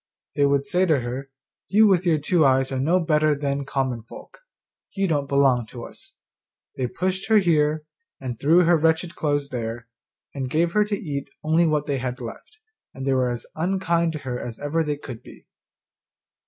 They would say to her, 'You with your two eyes are no better than common folk; you don't belong to us.' They pushed her here, and threw her wretched clothes there, and gave her to eat only what they left, and they were as unkind to her as ever they could be.